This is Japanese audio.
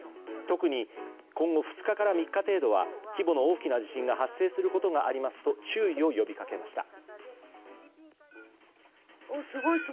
特に今後２日から３日程度は規模の大きな地震が発生することがありますと注意を呼びかけました。